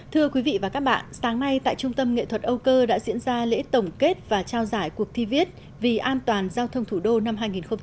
thưa quý vị và các bạn sáng nay tại trung tâm nghệ thuật âu cơ đã diễn ra lễ tổng kết và trao giải cuộc thi viết vì an toàn giao thông thủ đô năm hai nghìn một mươi tám